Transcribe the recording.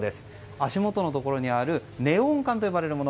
足元にあるネオン管と呼ばれるもの